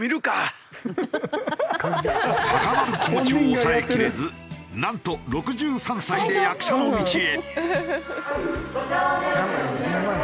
高まる気持ちを抑えきれずなんと６３歳で役者の道へ。